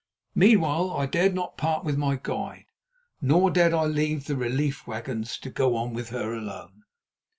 Meanwhile, I dared not part with my guide, nor dared I leave the relief wagons to go on with her alone.